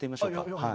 はい。